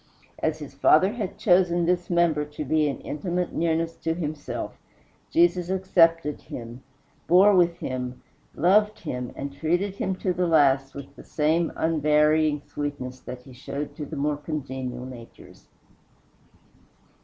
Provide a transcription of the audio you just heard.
As his Father had chosen this member to be in intimate nearness to himself, Jesus accepted him, bore with him, loved him, and treated him to the last with the same unvarying sweetness that he showed to the more congenial natures.